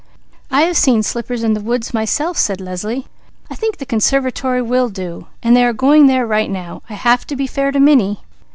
"I have seen slippers in the woods myself," said Leslie. "I think the conservatory will do, so they shall go there right now. I have to be fair to 'Minnie.'"